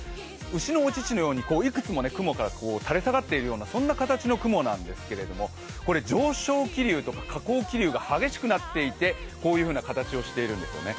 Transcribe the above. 牛のお乳のようにいくつも雲から垂れ下がっているような雲なんですけどこれ上昇気流とか下降気流が激しくなっていってこういうふうな形をしているんですよね。